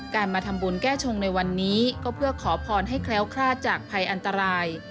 มาทำบุญแก้ชงในวันนี้ก็เพื่อขอพรให้แคล้วคลาดจากภัยอันตราย